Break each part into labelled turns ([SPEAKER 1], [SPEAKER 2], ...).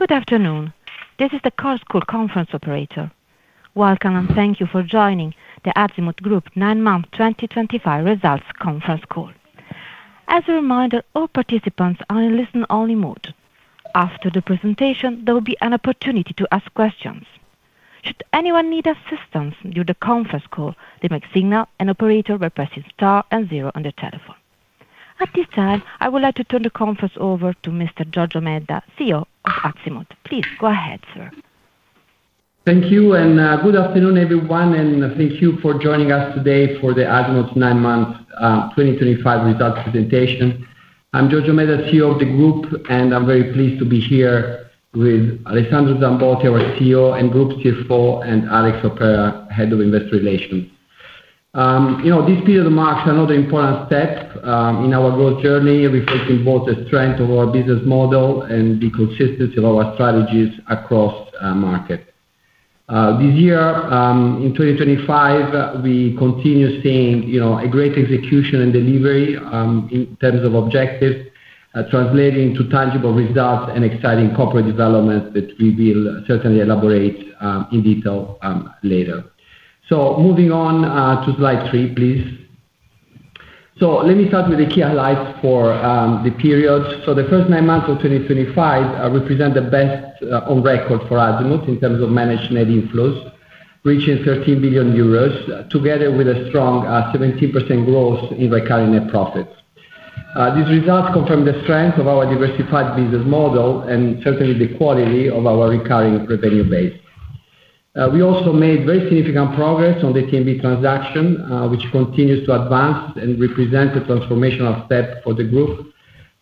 [SPEAKER 1] Good afternoon, this is the Chorus Call Conference Operator. Welcome and thank you for joining the Azimut Group nine months 2025 results conference call. As a reminder, all participants are in listen-only mode. After the presentation, there will be an opportunity to ask questions. Should anyone need assistance during the conference call, they may signal an operator by pressing star and zero on the telephone. At this time I would like to turn the conference over to Mr. Giorgio Medda, CEO of Azimut. Please go ahead.
[SPEAKER 2] Thank you and good afternoon everyone and thank you for joining us today for the Azimut 9 Months 2025 results presentation. I'm Giorgio Medda, CEO of the Group, and I'm very pleased to be here with Alessandro Zambotti, our CEO and Group CFO, and Alex Opera, Head of Investor Relations. You know, this period marks another important step in our growth journey, reflecting both the strength of our business model and the consistency of our strategies across market. This year in 2025 we continue seeing a great execution and delivery in terms of objectives, translating to tangible results and exciting corporate developments that we will certainly elaborate in detail later. Moving on to slide three, please. Let me start with the key highlights for the periods. The first nine months of 2025 represent the best on record for Azimut in terms of managed net inflows reaching 13 billion euros, together with a strong 17% growth in recurring net profits. These results confirm the strength of our diversified business model and certainly the quality of our recurring revenue base. We also made very significant progress on the TNB transaction which continues to advance and represent a transformational step for the group.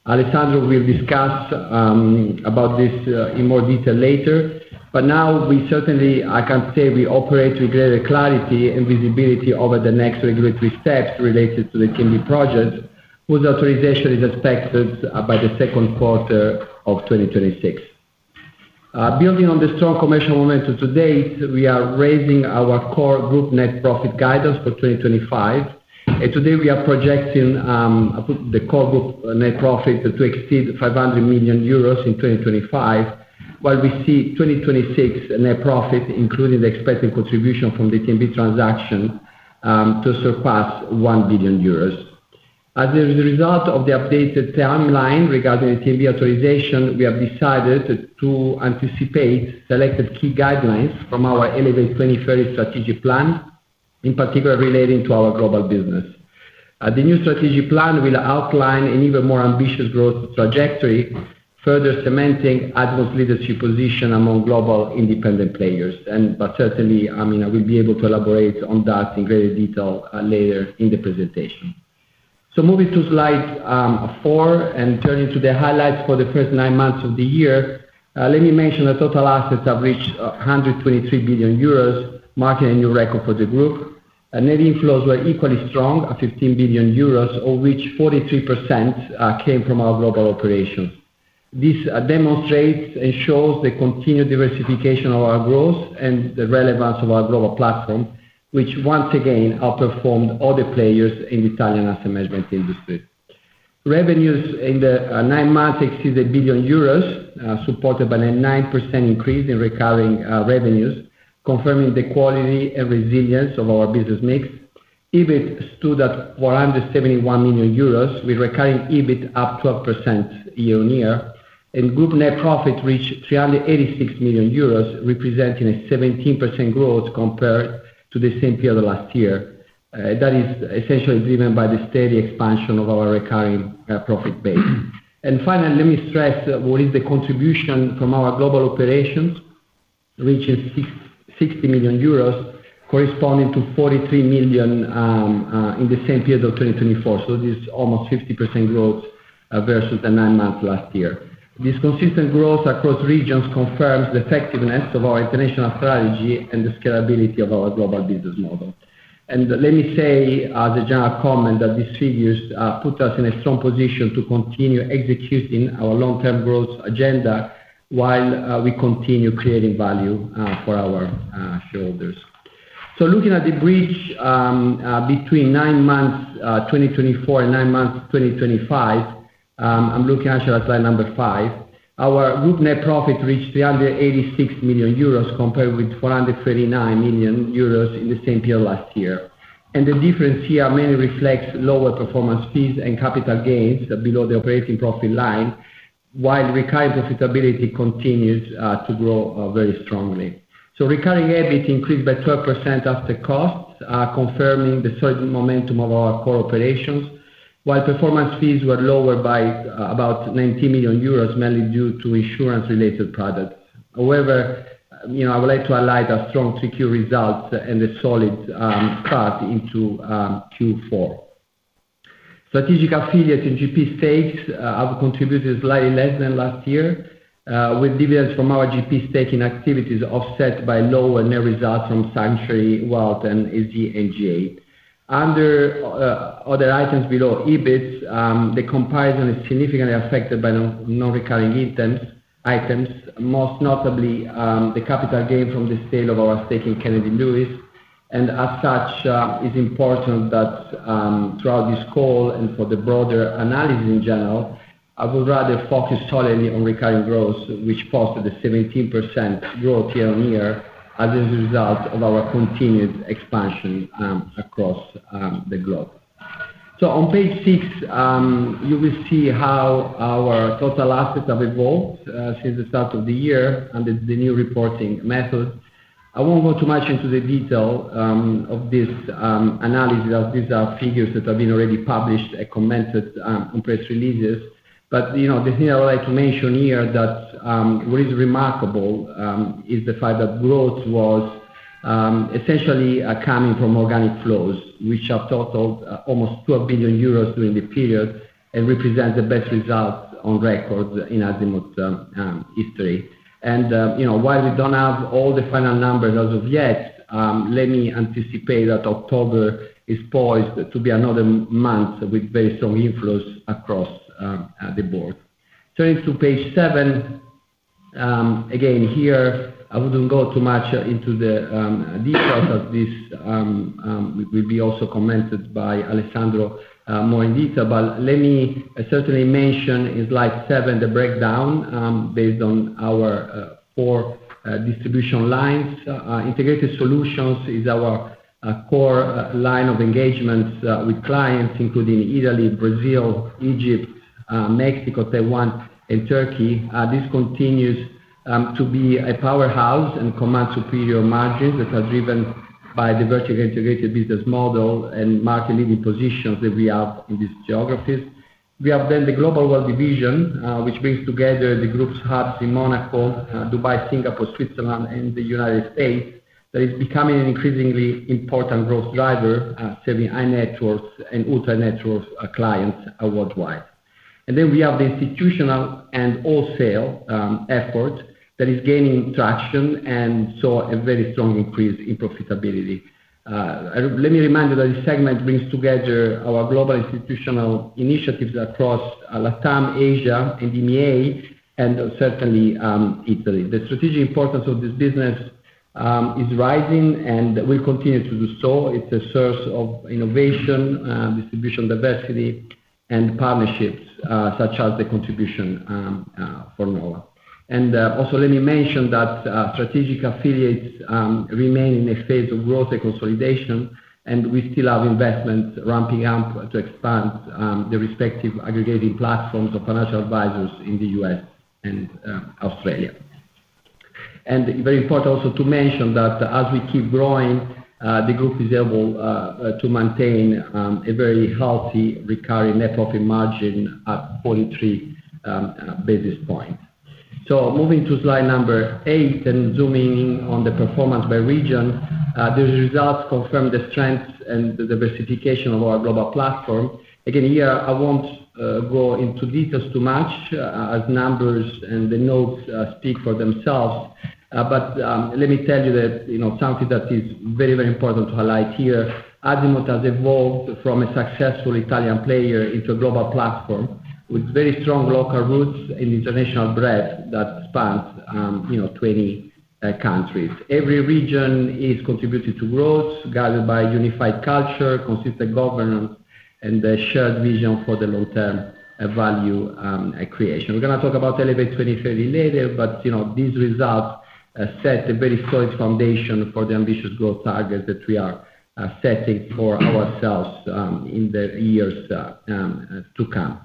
[SPEAKER 2] Alessandro will discuss this in more detail later. Now we certainly can say we operate with greater clarity and visibility over the next regulatory steps related to the TIMBI project, whose authorization is expected by the second quarter of 2026. Building on the strong commercial momentum to date, we are raising our Core Group net profit guidance for 2025 and today we are projecting the Core Group net profit to exceed 500 million euros in 2025. While we see 2026 net profit, including the expected contribution from the TNB transaction, to surpass 1 billion euros. As a result of the updated timeline regarding TNB authorization, we have decided to anticipate selected key guidelines from our Elevate 2030 strategic plan, in particular relating to our global business. The new strategic plan will outline an even more ambitious growth trajectory and further cementing Azimut's leadership position among global independent players. Certainly Amina will be able to elaborate on that in greater detail later in the presentation. Moving to slide four and turning to the highlights for the first nine months of the year, let me mention that total assets have reached 123 billion euros, marking a new record for the group. Net inflows were equally strong at 15 billion euros, of which 43% came from our global operations. This demonstrates and shows the continued diversification of our growth and the relevance of our global platform, which once again outperformed other players in the Italian asset management industry. Revenues in the nine months exceeded 1 billion euros, supported by a 9% increase in recurring revenues, confirming the quality and resilience of our business mix. EBIT stood at 171 million euros, with recurring EBIT up 12% year on year and group net profit reached 386 million euros, representing a 17% growth compared to the same period last year. That is essentially driven by the steady expansion of our recurring profit base. Finally, let me stress what is the contribution from our global operations reaching 60 million euros corresponding to 43 million in the same period of 2024. This is almost 50% growth versus the nine months last year. This consistent growth across regions confirms the effectiveness of our international strategy and the scalability of our global business model. Let me say as a general comment that these figures put us in a strong position to continue executing our long-term growth agenda while we continue creating value for our shareholders. Looking at the bridge between nine months 2024 and nine months 2025, I'm looking at slide number five. Our group net profit reached 386 million euros compared with 439 million euros in the same period last year. The difference here mainly reflects lower performance fees and capital gains below the operating profit line, while recurring profitability continues to grow very strongly. Recurring EBIT increased by 12% after costs, confirming the solid momentum of our core operations, while performance fees were lower by about 90 million euros mainly due to insurance related products. However, I would like to highlight our strong 3Q results and a solid cut into Q4. Strategic affiliate and GP stakes have contributed slightly less than last year, with dividends from our GP staking activities offset by lower net results from Sanctuary Wealth and SDNGA. Under other items below EBIT, the comparison is significantly affected by nonrecurring income items, most notably the capital gain from the sale of our stake in Kennedy Lewis. As such, it's important that throughout this call and for the broader analysis in general, I would rather focus solely on recurring growth, which posted a 17% growth year on year as a result of our continued expansion across the globe. On page six you will see how our total assets have evolved since the start of the year under the new reporting method. I won't go too much into the detail of this analysis. These are figures that have been already published and commented on in press releases. The thing I would like to mention here that what is remarkable is the fact that growth was essentially coming from organic flows which have totaled almost 12 billion euros during the period and represents the best results on record in Azimut history. You know, while we do not have all the final numbers as of yet, let me anticipate that October is poised to be another month with very strong inflows across the board. Turning to page seven again here, I would not go too much into the details of this, will be also commented by Alessandro more in detail. Let me certainly mention in Slide 7 the breakdown based on our four distribution lines. Integrated Solutions is our core line of engagements with clients including Italy, Brazil, Egypt, Mexico, Taiwan, and Turkey. This continues to be a powerhouse and commands superior margins that are driven by the vertically integrated business model and market leading positions that we have in these geographies. We have then the Global Wealth Division which brings together the group's hubs in Monaco, Dubai, Singapore, Switzerland, and the United States that is becoming an increasingly important growth driver serving high-net-worth and ultra high-net-worth clients worldwide. Then we have the Institutional and Wholesale effort that is gaining traction and saw a very strong increase in profitability. Let me remind you that this segment brings together our global institutional initiatives across Latam, Asia, NDA, and certainly Italy. The strategic importance of this business is rising and will continue to do so. It is a source of innovation, distribution, diversity, and partnerships such as the contribution for Nova. Let me mention that strategic affiliates remain in a phase of growth and consolidation and we still have investments ramping up to expand the respective aggregating platforms of financial advisors in the US and Australia. Very important also to mention that as we keep growing, the group is able to maintain a very healthy recurring net profit margin at 43 basis points. Moving to slide number eight and zooming in on the performance by region, these results confirm the strength and the diversification of our global platform. Again, here I will not go into details too much as numbers and the notes speak for themselves. Let me tell you that something that is very, very important to highlight here. Azimut has evolved from a successful Italian player into a global platform with very strong local roots and international breadth that spans 20 countries. Every region has contributed to growth guided by unified culture, consistent governance, and the shared vision for long-term value creation. We are going to talk about Elevate 2030 later, but these results set a very solid foundation for the ambitious growth targets that we are setting for ourselves in the years to come.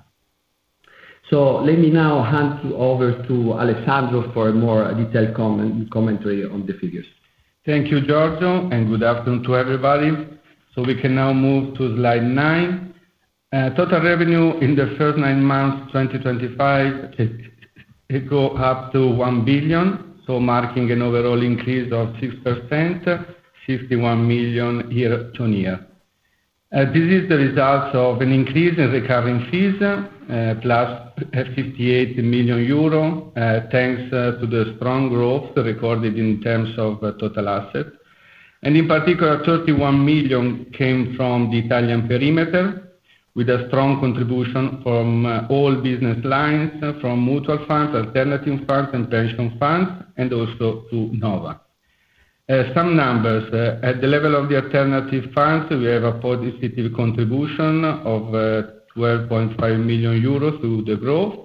[SPEAKER 2] Let me now hand over to Alessandro for a more detailed commentary on the figures.
[SPEAKER 3] Thank you Giorgio and good afternoon to everybody. We can now move to slide 9. Total revenue in the first nine months 2025 go up to 1 billion, marking an overall increase of 6% 51 million year on year. This is the result of an increase in recurring fees, plus 58 million euro thanks to the strong growth recorded in terms of total assets. In particular, 31 million came from the Italian perimeter with a strong contribution from all business lines, from mutual funds, alternative funds, and pension funds, and also to Nova some numbers. At the level of the alternative funds, we have a positive contribution of 12.5 million euros through the growth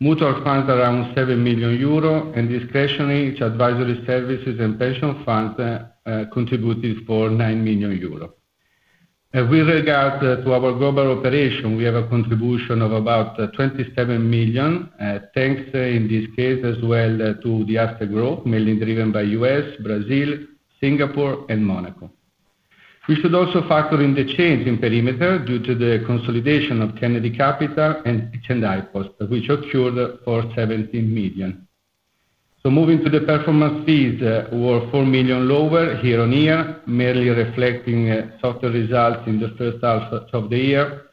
[SPEAKER 3] mutual funds around 7 million euros and discretionary advisory services and pension funds contributed for 9 million euros. With regards to our global operation, we have a contribution of about 27 million, and thanks in this case as well to the after growth mainly driven by US, Brazil, Singapore, and Monaco. We should also factor in the change in perimeter due to the consolidation of Kennedy Capital and HNDI Post, which occurred for 17 million. Moving to the performance fees, these were 4 million lower year on year, merely reflecting softer results in the first half of the year,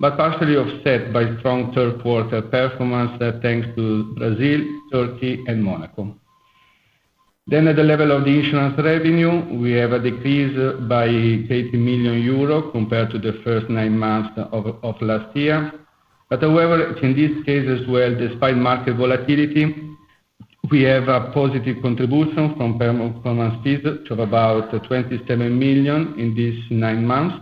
[SPEAKER 3] but partially offset by strong third quarter performance thanks to Brazil, Turkey, and Monaco. At the level of the insurance revenue, we have a decrease by 18 million euro compared to the first nine months of last year. However, in this case as well, despite market volatility, we have a positive contribution from permanent performance fees of about 27 million in these nine months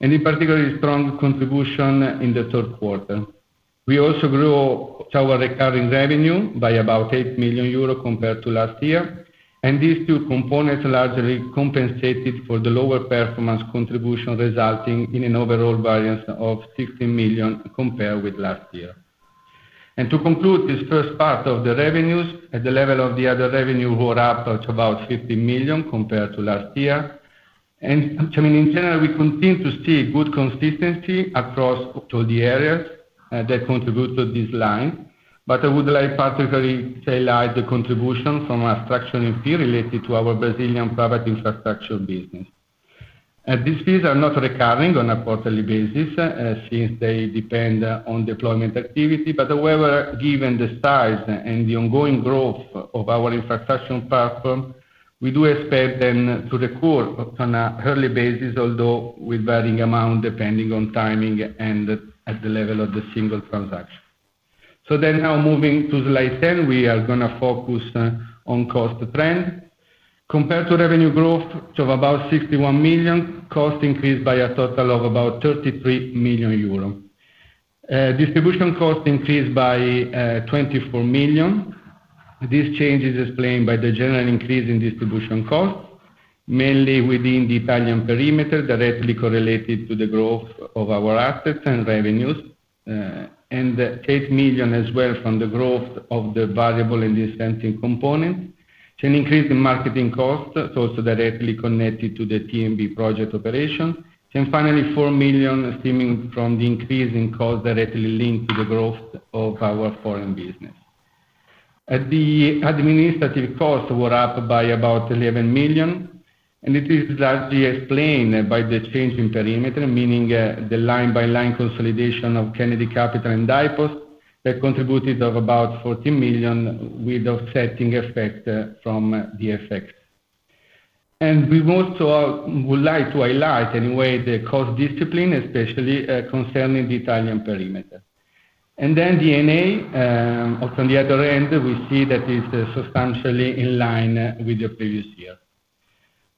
[SPEAKER 3] and in particular strong contribution in the third quarter. We also grew our recurring revenue by about 8 million euros compared to last year, and these two components largely compensated for the lower performance contribution, resulting in an overall variance of 16 million compared with last year. To conclude this first part of the revenues, at the level of the other revenue, we were up to about 50 million compared to last year. In general, we continue to see good consistency across all the areas that contribute to this line. I would like to particularly highlight the contributions from infrastructure in fee related to our Brazilian private infrastructure business. These fees are not recurring on a quarterly basis since they depend on deployment activity. However, given the size and the ongoing growth of our infrastructure platform, we do expect them to recur on an early basis, although with varying amount depending on timing and at the level of the single transaction. Now, moving to Slide 10, we are going to focus on cost trend. Compared to revenue growth of about 61 million, cost increased by a total of about 33 million euro. Distribution cost increased by 24 million. This change is explained by the general increase in distribution costs mainly within the Italian perimeter, directly correlated to the growth of our assets and revenues and 8 million as well from the growth of the variable and dispensing components, an increase in marketing costs also directly connected to the TMB project operations, and finally 4 million stemming from the increase in costs directly linked to the growth of our foreign business. The administrative costs were up by about 11 million and it is largely explained by the change in perimeter, meaning the line by line consolidation of Kennedy Capital and Diapost that contributed about 14 million with offsetting effect from the effects. We also would like to highlight anyway the cost discipline, especially concerning the Italian perimeter. Then DNA also on the other end we see that it is substantially in line with the previous year.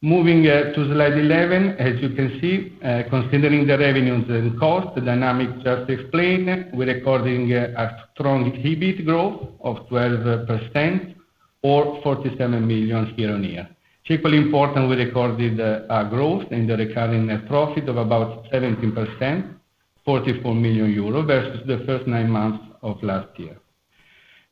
[SPEAKER 3] Moving to slide 11, as you can see, considering the revenues and cost dynamics just explained, we're recording a strong EBIT growth of 12% or 47 million year on year. Equally important, we recorded growth in the recurring net profit of about 17%, 44 million euro versus the first nine months of last year.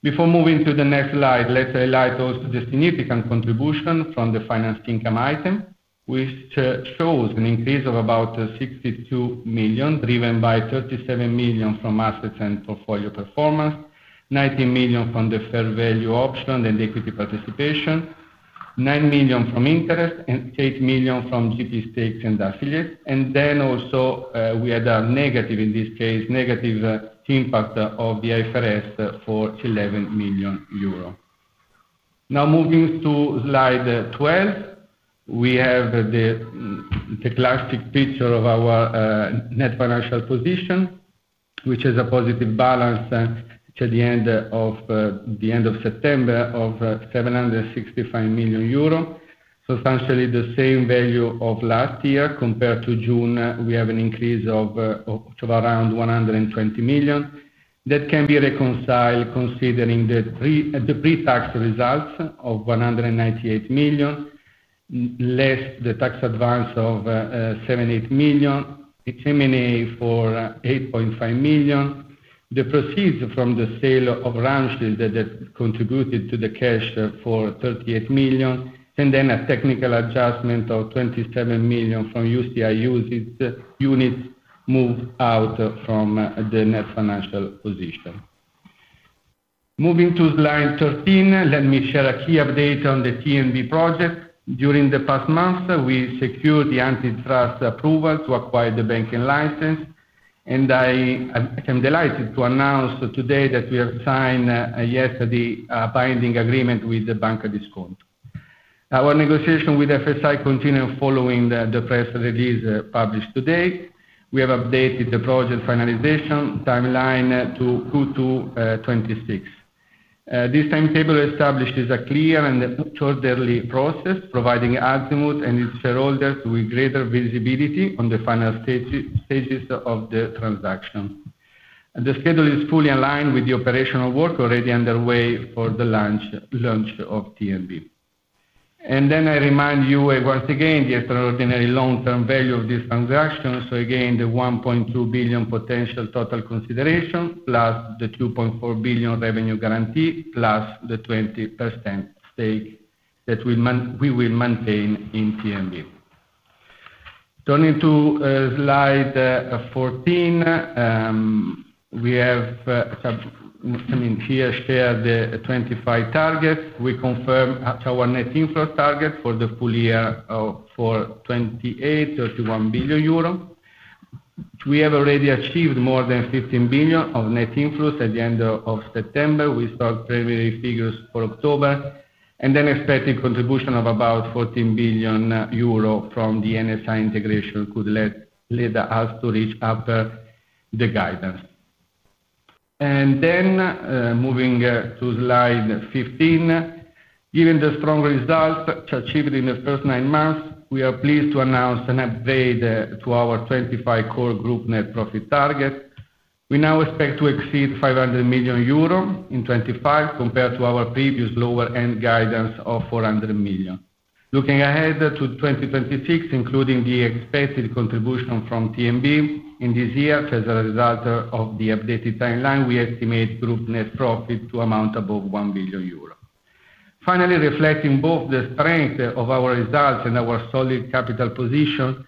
[SPEAKER 3] Before moving to the next slide, let's highlight also the significant contribution from the financed income item which shows an increase of about 62 million driven by 37 million from assets and portfolio performance, 19 million from the fair value option and equity participation, 9 million from interest and 8 million from GP stake and affiliates. We also had a negative, in this case negative impact of the IFRS for 11 million euro. Now moving to slide 12, we have the classic picture of our net financial position which has a positive balance at the end of September of 765 million euro, substantially the same value as last year. Compared to June, we have an increase of around 120 million. That can be reconciled considering the pre-tax results of 198 million less the tax advance of 78 million, h for 8.5 million, the proceeds from the sale of Ramses that contributed to the cash for 38 million, and then a technical adjustment of 27 million from UCIUS units move out from the net financial position. Moving to slide 13, let me share a key update on the TNB project. During the past month we secured the antitrust approval to acquire the banking license and I am delighted to announce today that we have signed yesterday a binding agreement with Bank Discount. Our negotiations with FSI continue. Following the press release published today, we have updated the project finalization timeline to Q2 2026. This timetable establishes a clear and orderly process providing Azimut and its shareholders with greater visibility on the final stages of the transaction. The schedule is fully aligned with the operational work already underway for the launch of TNB. I remind you once again the extraordinary long-term value of this transaction. Again, the 1.2 billion potential total consideration plus the 2.4 billion revenue guarantee plus the 20% stake that we will maintain in TNB. Turning to Slide 14, we have, I mean here, share the 25 targets. We confirm our net income inflows target for the full year for 28-31 billion euro. We have already achieved more than 15 billion of net inflows. At the end of September we saw primary figures for October and then expected contribution of about 14 billion euro from the NSI. Integration could lead us to reach up the guidance and then moving to Slide 15. Given the strong results achieved in the first nine months, we are pleased to announce an update to our 2025 core group net profit target. We now expect to exceed 500 million euro in 2025 compared to our previous lower end guidance of 400 million. Looking ahead to 2026 including the expected contribution from TMB in this year as a result of the updated timeline, we estimate group net profit to amount above 1 billion euro. Finally, reflecting both the strength of our results and our solid capital position,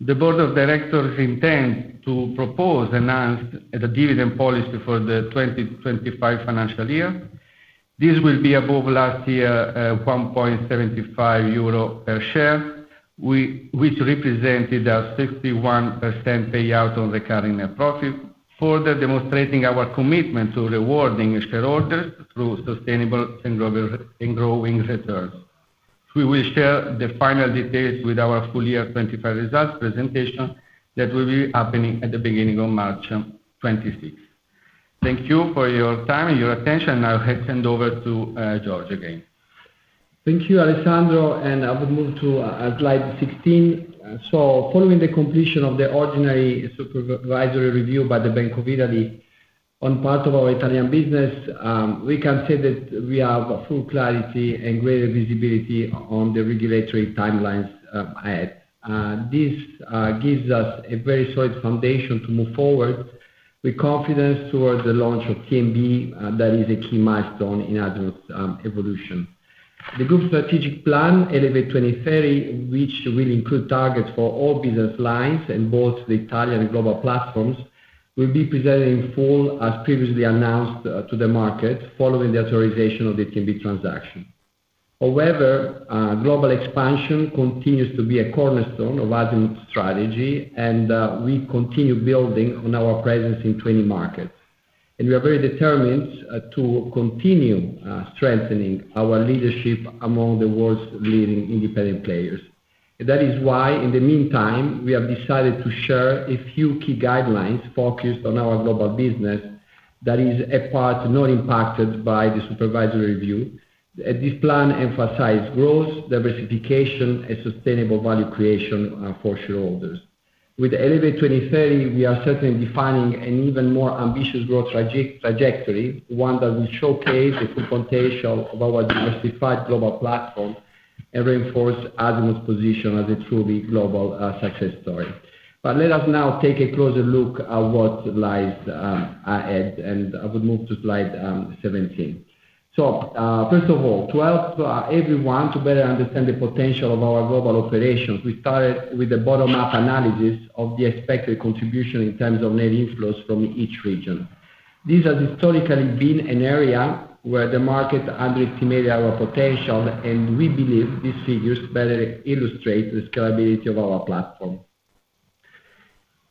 [SPEAKER 3] the Board of Directors intend to propose announced the dividend policy for the 2025 financial year. This will be above last year 1.75 euro per share which represented a 51% payout on the current net profit. Further demonstrating our commitment to rewarding shareholders through sustainable and growing returns. We will share the final details with our full year 2025 results presentation that will be happening at the beginning of March 26. Thank you for your time and your attention. I will hand over to Giorgio again.
[SPEAKER 2] Thank you Alessandro and I will move to Slide 16. Following the completion of the Ordinary Supervisory Review by the Bank of Italy on part of our Italian business, we can say that we have full clarity and greater visibility on the regulatory timelines ahead. This gives us a very solid foundation to move forward with confidence toward the launch of TNB. That is a key milestone in Azimut's evolution. The Group's strategic plan Elevate 2030, which will include targets for all business lines and both the Italian global platforms, will be presented in full as previously announced to the market following the authorization of the TNB transaction. However, global expansion continues to be a cornerstone of Azimut's strategy and we continue building on our presence in 20 markets and we are very determined to continue strengthening our leadership among the world's leading independent players. That is why in the meantime, we have decided to share a few key guidelines focused on our global business that is a part not impacted by the supervisory review. This plan emphasizes growth, diversification, and sustainable value creation for shareholders. With Elevate 2030, we are certainly defining an even more ambitious growth trajectory, one that will showcase the full potential of our diversified global platform and reinforce Azimut's position as a truly global success story. Let us now take a closer look at what lies ahead and I would move to Slide 17. First of all, to help everyone to better understand the potential of our global operations, we started with a bottom up analysis of the expected contribution in terms of net inflows from each region. This has historically been an area where the market underestimated our potential, and we believe these figures better illustrate the scalability of our platform.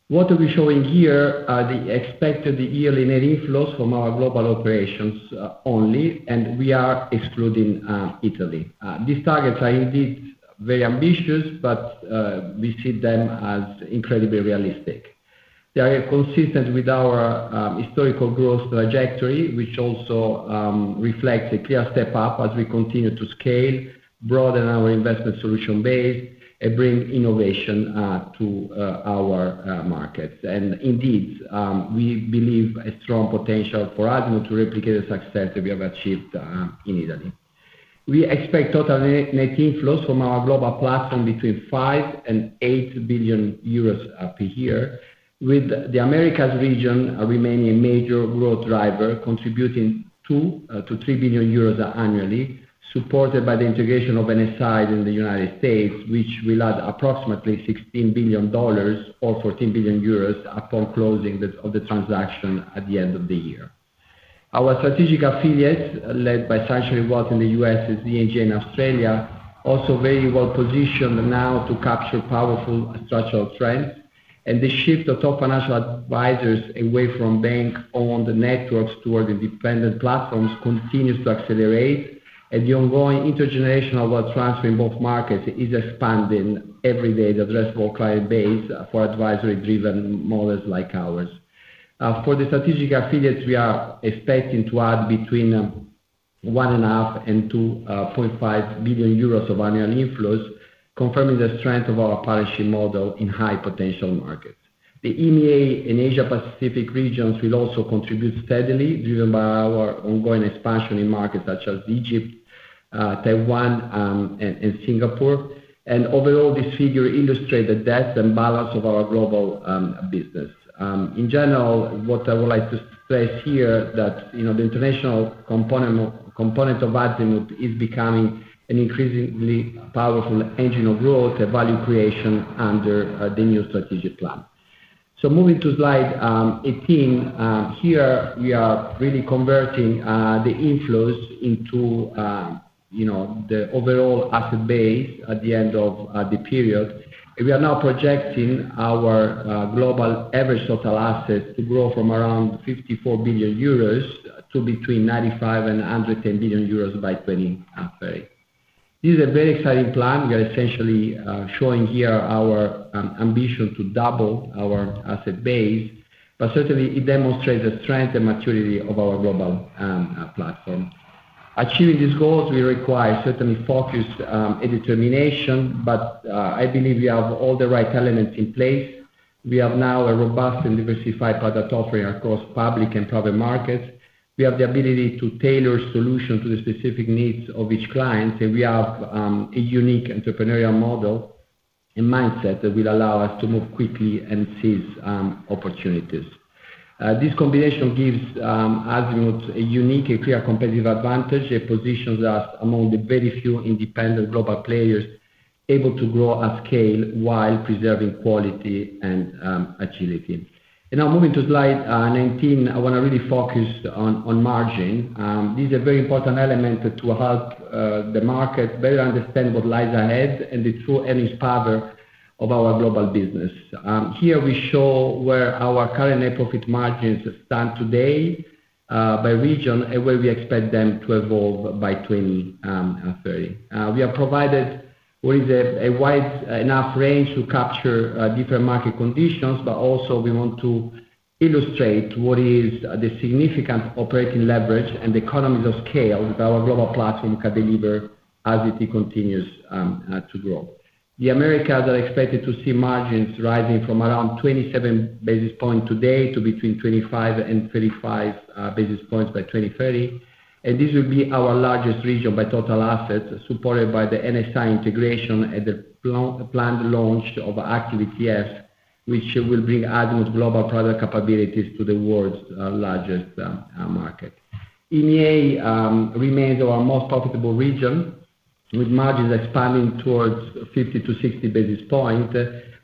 [SPEAKER 2] What we are showing here are the expected yearly net inflows from our global operations only, and we are excluding Italy. These targets are indeed very ambitious, but we see them as incredibly realistic. They are consistent with our historical growth trajectory, which also reflects a clear step up as we continue to scale, broaden our investment solution base, and bring innovation to our markets. We believe there is strong potential for Azimut to replicate the success that we have achieved in Italy. We expect total net inflows from our global platform between 5 billion and 8 billion euros per year, with the Americas region remaining a major growth driver, contributing to 2 billion-3 billion euros annually, supported by the integration of NSI in the United States which will add approximately $16 billion or 14 billion euros upon closing of the transaction at the end of the year. Our strategic affiliates, led by Sanctuary Wealth in the US and SDNGA in Australia, are also very well positioned now to capture powerful structural trends and the shift of top financial advisors away from bank owned networks toward independent platforms continues to accelerate and the ongoing intergenerational wealth transfer in both markets is expanding every day. The addressable client base for advisory driven models like ours for the strategic affiliates, we are expecting to add between 1.5 billion and 2.5 billion euros of annual inflows, confirming the strength of our partnership model in high potential markets. The EMEA and Asia Pacific regions will also contribute steadily, driven by our ongoing expansion in markets such as Egypt, Taiwan, and Singapore. Overall, this figure illustrates the depth and balance of our global business in general. What I would like to stress here is that the international component of Azimut is becoming an increasingly powerful engine of growth and value creation under the new strategic plan. Moving to slide 18, here we are really converting the income inflows into the overall asset base at the end of the period. We are now projecting our global average total asset to grow from around 54 billion euros to between 95 billion euros and 110 billion euros by 2030. This is a very exciting plan. We are essentially showing here our ambition to double our asset base. It certainly demonstrates the strength and maturity of our global platform. Achieving these goals will require certainly focused determination. I believe we have all the right elements in place. We have now a robust and diversified product offering across public and private markets. We have the ability to tailor solutions to the specific needs of each client. We have a unique entrepreneurial model and mindset that will allow us to move quickly and seize opportunities. This combination gives Azimut a unique and clear competitive advantage that positions us among the very few independent global players able to grow at scale while preserving quality and agility. Now, moving to slide 19, I want to really focus on margin. These are very important elements to help the market better understand what lies ahead and the true earnings power of our global business. Here we show where our current net profit margins stand today by region and where we expect them to evolve by 2030. We have provided what is a wide enough range to capture different market conditions. We also want to illustrate what is the significant operating leverage and the economies of scale that our global platform can deliver as it continues to grow. The Americas are expected to see margins rising from around 27 basis points today to between 25-35 basis points by 2030. This will be our largest region by total assets supported by the NSI integration and the planned launch of ActiveTF which will bring Azimut global product capabilities to the world's largest market. EMEA remains our most profitable region with margins expanding towards 50-60 basis points.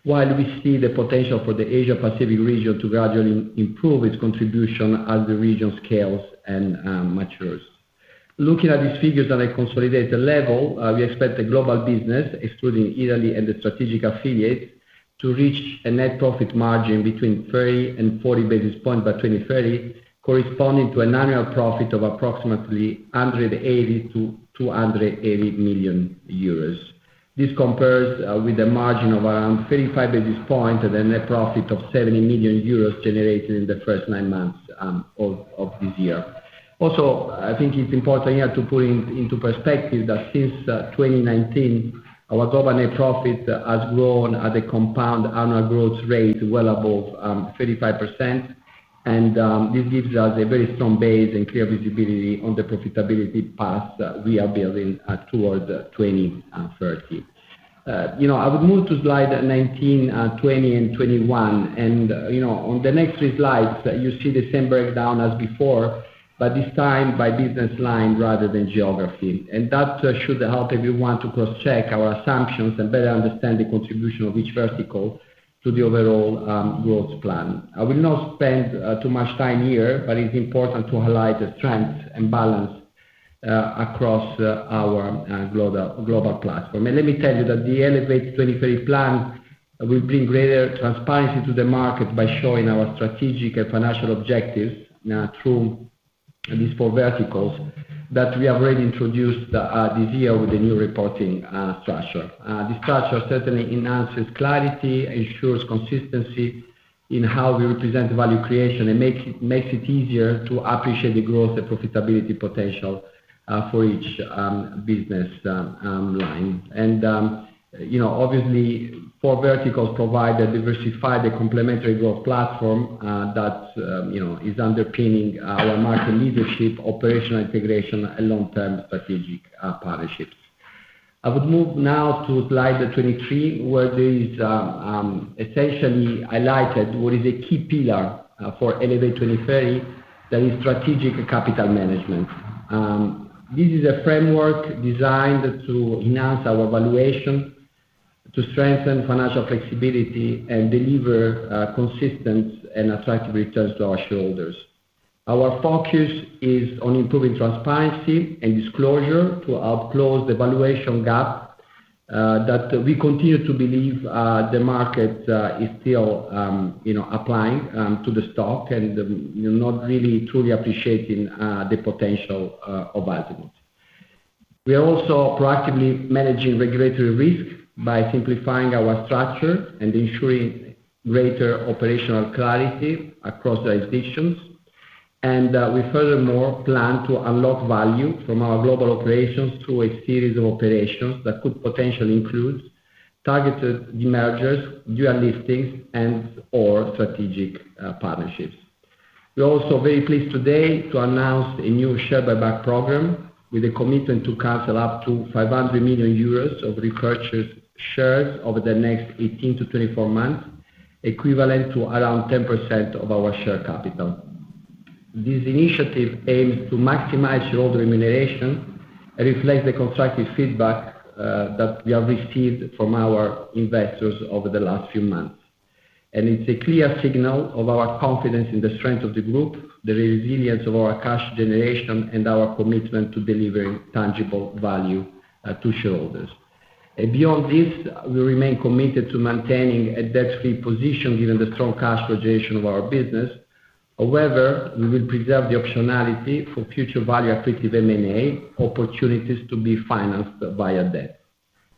[SPEAKER 2] We see the potential for the Asia Pacific region to gradually improve its contribution as the region scales and matures. Looking at these figures on a consolidated level, we expect the global business, excluding Italy and the strategic affiliates, to reach a net profit margin between 30-40 basis points by 2030, corresponding to an annual profit of approximately 180 million-280 million euros. This compares with a margin of around 35 basis points and a net profit of 70 million euros generated in the first nine months of this year. Also, I think it's important here to put into perspective that since 2019 our government profit has grown at a compound annual growth rate well above 35%. And this gives us a very strong base and clear visibility on the profitability path we are building toward 2030. You know, I would move to slide 19, 20 and 21. And you know, on the next three slides you see the same breakdown as before, but this time by business line rather than geography. And that should help if you want to cross check our assumptions and better understand the contribution of each vertical to the overall growth plan. I will not spend too much time here, but it's important to highlight the strength and balance across our global platform. Let me tell you that the Elevate 2030 plan will bring greater transparency to the market by showing our strategic and financial objectives through these four verticals that we have already introduced this year with the new reporting structure. This structure certainly enhances clarity, ensures consistency in how we represent value creation, and makes it easier to appreciate the growth and profitability potential for each business line. Four verticals provide a diversified and complementary growth platform that is underpinning our market leadership, operational integration, and long-term strategic partnerships. I would move now to slide 23 where there is essentially highlighted what is a key pillar for Elevate 2030, that is strategic capital management. This is a framework designed to enhance our valuation, to strengthen financial flexibility and deliver consistent and attractive returns to our shareholders. Our focus is on improving transparency and disclosure to help close the valuation gap that we continue to believe the market is still applying to the stock and not really truly appreciating the potential of Azimut. We are also proactively managing regulatory risk by simplifying our structure and ensuring greater operational clarity across jurisdictions. We furthermore plan to unlock value from our global operations through a series of operations that could potentially include targeted demergers, dual listings and or strategic partnerships. We are also very pleased today to announce a new share buyback program with a commitment to cancel up to 500 million euros of repurchased shares over the next 18-24 months, equivalent to around 10% of our share capital. This initiative aims to maximize shareholder remuneration and reflect the constructive feedback that we have received from our investors over the last few months. It is a clear signal of our confidence in the strength of the group, the resilience of our cash generation, and our commitment to deliver tangible value to shareholders. Beyond this, we remain committed to maintaining a debt free position given the strong cash flow generation of our business. However, we will preserve the optionality for future value accretive M&A opportunities to be financed via debt.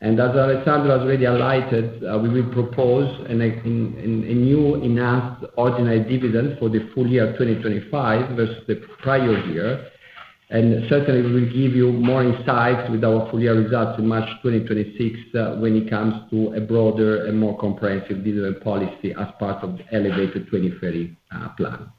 [SPEAKER 2] As Alessandro has already highlighted, we will propose a new enhanced ordinary dividend for the full year 2024 versus the prior year. Certainly, we give you more insights with our full year results in March 2026 when it comes to a broader and more comprehensive digital policy as part of the Elevate 2030 plan.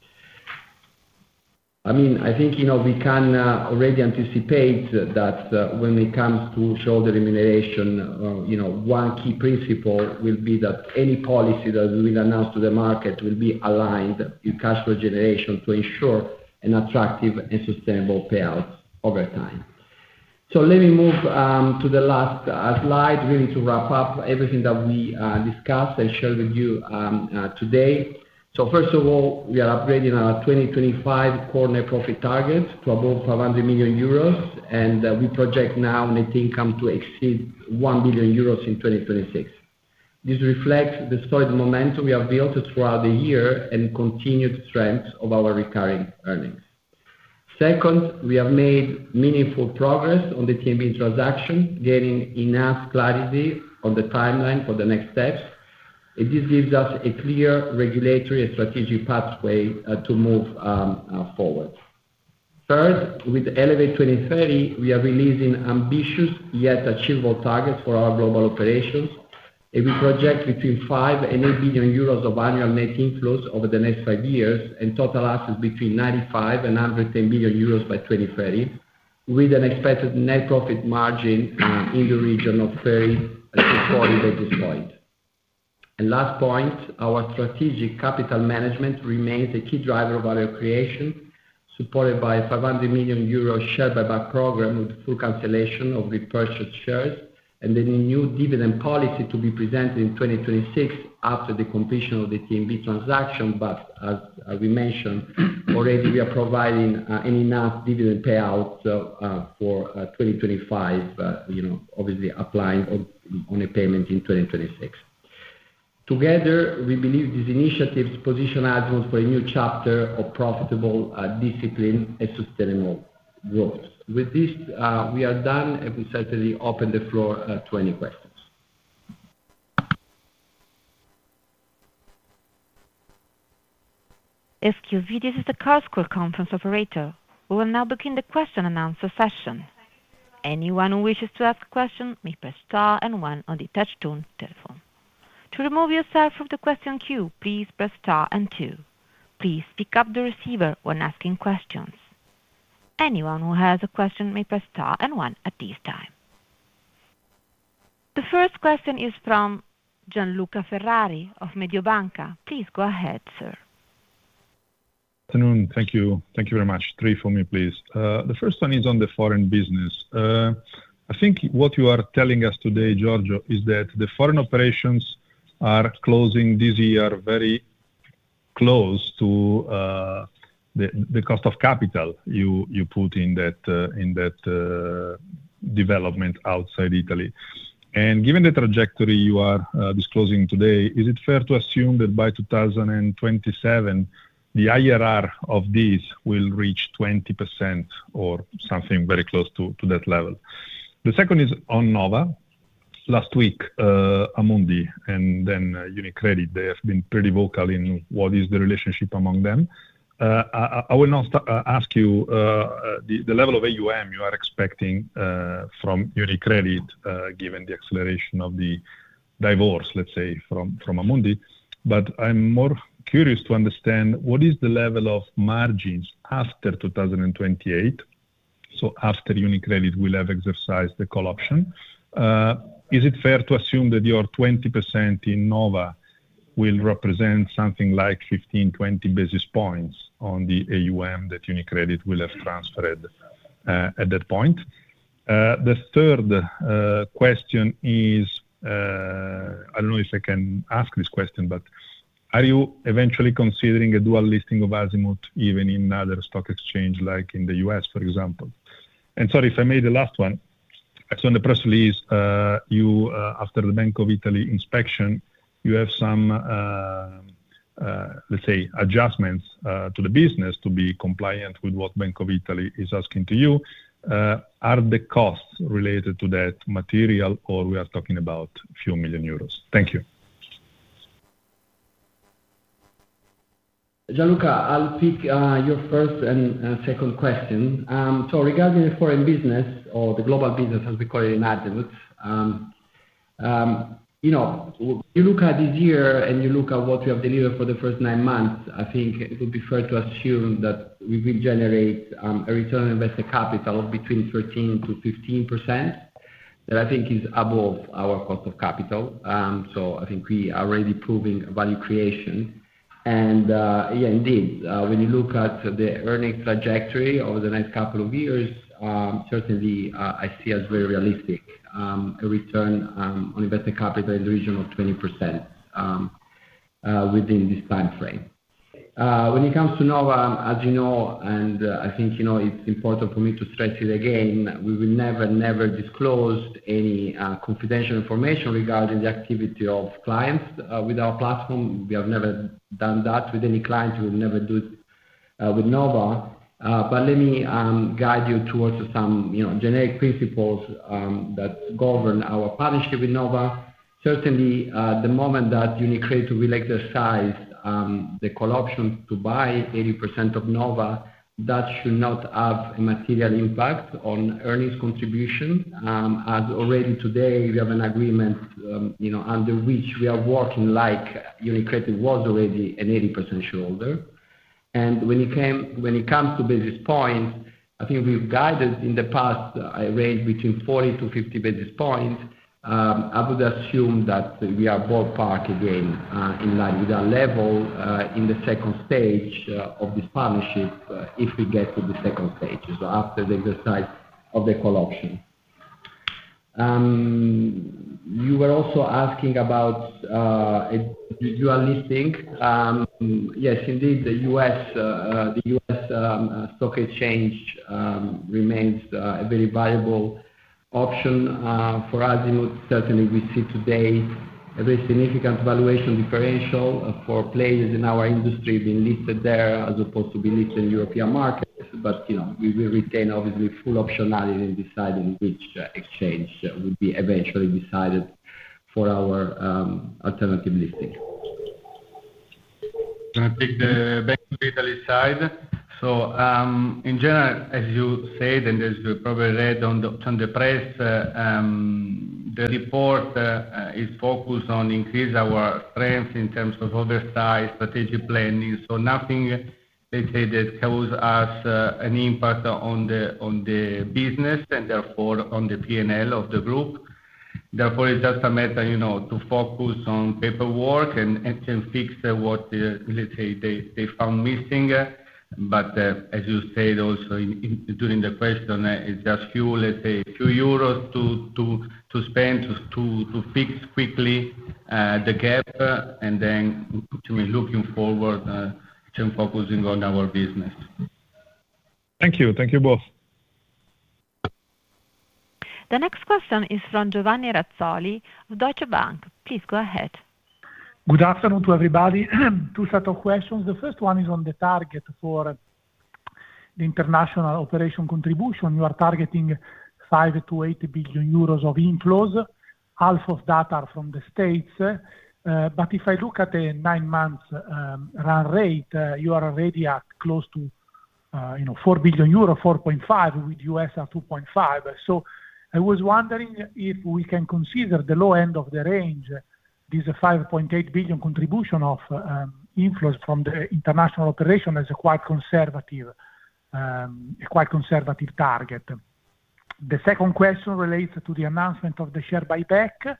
[SPEAKER 2] I mean, I think, you know, we can already anticipate that when it comes to shareholder remuneration, you know, one key principle will be that any policy that we will announce to the market will be aligned with cash flow generation to ensure an attractive and sustainable payout over time. Let me move to the last slide really to wrap up everything that we discussed and shared with you today. First of all, we are upgrading our 2025 core net profit target to. Above 500 million euros. We project now net income to exceed 1 billion euros in 2026. This reflects the solid momentum we have built throughout the year and continued strength of our recurring earnings. Second, we have made meaningful progress on the TNB transaction, gaining enough clarity on the timeline for the next steps. This gives us a clear regulatory and strategic pathway to move forward. Third, with Elevate 2030 we are releasing ambitious yet achievable targets for our global oper. We project between 5 billion-8 billion euros of annual net inflows over the next five years and total assets between 95 billion-110 billion euros by 2030 with an expected net profit margin in the region of 30%-40%. At this point and last point, our strategic capital management remains a key driver of value creation supported by an 500 million euros share buyback program with full cancellation of repurchased shares and then a new dividend policy to be presented in 2026 after the completion of the TNB transaction. As we mentioned already, we are providing an enough dividend payout for 2025, you know, obviously applying on a payment in 2026. Together we believe these initiatives position Azimut for a new chapter of profitable, discipline and sustainable. With this we are done and we certainly open the floor to any questions.
[SPEAKER 1] Sqv this is the Car School Conference Operator. We will now begin the question and answer session. Anyone who wishes to ask a question may press star and one on the touchtone telephone. To remove yourself from the question queue, please press star and two. Please pick up the receiver when asking questions. Anyone who has a question may press star and one at this time. The first question is from Gian Luca Ferrari of Mediobanca. Please go ahead, sir.
[SPEAKER 4] Thank you. Thank you very much. Three for me, please. The first one is on the foreign business. I think what you are telling us today, Giorgio, is that the foreign operations are closing this year very close to the cost of capital you put in that development outside Italy. Given the trajectory you are disclosing today, is it fair to assume that by 2027 the IRR of these will reach 20% or something very close to that level? The second is on Nova. Last week, Amundi and then UniCredit. They have been pretty vocal in what is the relationship among them. I will not ask you the level of AUM you are expecting from UniCredit, given the acceleration of the divorce, let's say from Amundi. I am more curious to understand what is the level of margins after 2028. After UniCredit will have exercised the call option, is it fair to assume that your 20% in Nova will represent something like 15-20 basis points on the AUM that UniCredit will have transferred at that point? The third question is, I do not know if I can ask this question, but are you eventually considering a dual listing of Azimut even in other stock exchanges, like in the U.S. for example, and sorry if I made the last one. In the press release after the Bank of Italy inspection, you have some, let's say, adjustments to the business to be compliant with what Bank of Italy is asking to you. Are the costs related to that material or are we talking about a few million euros? Thank you.
[SPEAKER 2] Gian Luca. I'll pick your first and second question. Regarding foreign business or the global business, as we call it in Azimut. You know, you look at this year and you look at what we have delivered for the first nine months, I think it would be fair to assume that we will generate a return on invested capital between 13-15% that I think is above our cost of capital. I think we are already proving value creation. Indeed, when you look at the earnings trajectory over the next couple of years, certainly I see as very realistic a return on invested capital in the region of 20% within this time frame. When it comes to Nova, as you know, and I think you know, it's important for me to stress it again, we will never, never disclose any confidential information regarding the activity of clients with our platform. We have never done that with any client, we have never done with Nova. Let me guide you towards some generic principles that govern our partnership with Nova. Certainly the moment that UniCredit will exercise the call option to buy 80% of Nova, that should not have a material impact on earnings contribution. As already today, we have an agreement under which we are working like UniCredit was already an 80% shareholder. When it comes to basis points, I think we have guided in the past a range between 40-50 basis points. I would assume that we are ballpark again in line with our level in the second stage of this partnership. If we get to the second stage after the exercise of the call option. You were also asking about U.S. listing. Yes, indeed, the U.S. stock exchange remains a very viable option for us. Certainly we see today a very significant valuation differential for players in our industry being listed there, as opposed to being listed in European markets. You know, we will retain obviously full optionality in deciding which exchange we would be eventually decided for our alternative listing.
[SPEAKER 3] Back to Italy side. In general, as you said, and as you probably read in the press, the report is focused on increasing our strength in terms of oversight and strategic planning. Nothing they say caused us an impact on the business and therefore on the P&L of the group. It is just a matter, you know, to focus on paperwork and fix what, let's say, they found missing. As you said also during the question, it's just a few, let's say, a few euros to spend to fix quickly the gap and then looking forward to focusing on our business.
[SPEAKER 4] Thank you. Thank you both.
[SPEAKER 1] The next question is from Giovanni Razzoli of Deutsche Bank. Please go ahead.
[SPEAKER 5] Good afternoon to everybody, two set of questions. The first one is on the target for the international operation contribution, you are targeting 5 billion-8 billion euros of inflows, half of that are from the States. If I look at a nine month run rate, you are already at close to, you know, 4 billion euro, 4.5 billion with US at 2.5 billion. I was wondering if we can consider the low end of the range, this 5 billion-8 billion contribution of inflows from the international operation as a quite conservative, quite conservative target. The second question relates to the announcement of the share buyback.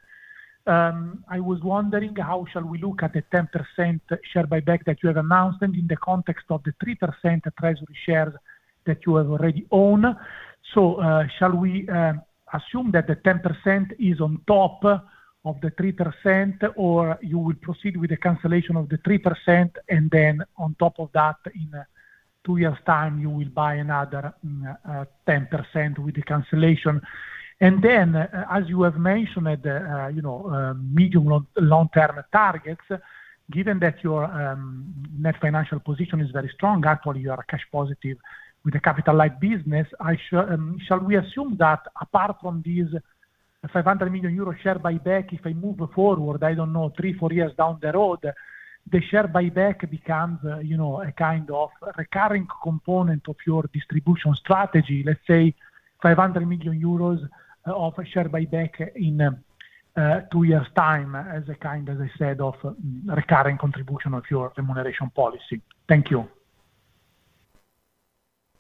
[SPEAKER 5] I was wondering, how shall we look at the 10% share buyback that you have announced in the context of the 3% treasury shares that you have already owned. Shall we assume that the 10% is on top of the 3% or you will proceed with the cancellation of the 3% and then on top of that, in two years time you will buy another 10% with the cancellation and then as you have mentioned, you know, medium long term targets. Given that your net financial position is very strong, actually you are cash positive with a capital light business. Shall we assume that apart from these 500 million euro share buyback, if I move forward, I don't know, three, four years down the road, the share buyback becomes a kind of recurring component of your distribution strategy, let's say 500 million euros of a share buyback in two years time as a kind, as I said, of recurring contribution of your remuneration policy. Thank you.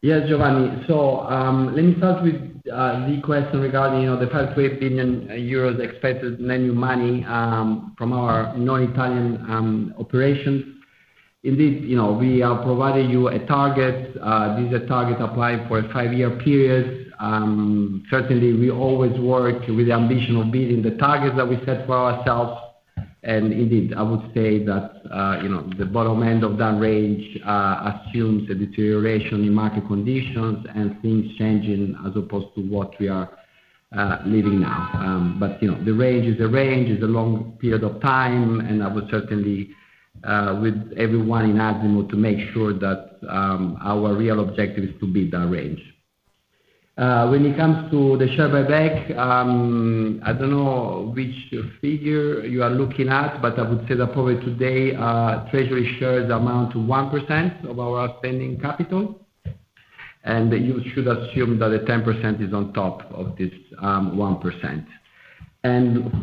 [SPEAKER 2] Yes, Giovanni. Let me start with the question regarding the 5 billion-8 billion euros expected lenient money from our non-Italian operations. Indeed, you know, we have provided you a target. These are targets applying for a five-year period. Certainly, we always work with the ambition of beating the targets that we set for ourselves. Indeed, I would say that, you know, the bottom end of that range assumes a deterioration in market conditions and things changing as opposed to what we are living now. You know, the range is a range, it is a long period of time, and I was certainly with everyone in Azimut to make sure that our real objective is to beat that range when it comes to the share buyback. I don't know which figure you are looking at, but I would say that probably today treasury shares amount to 1% of our outstanding capital and you should assume that the 10% is on top of this 1%.